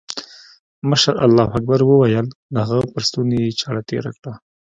مشر الله اکبر وويل د هغه پر ستوني يې چاړه تېره کړه.